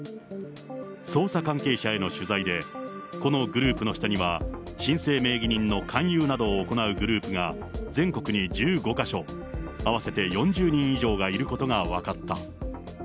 捜査関係者への取材で、このグループの下には、申請名義人の勧誘などを行うグループが、全国に１５か所、合わせて４０人以上がいることが分かった。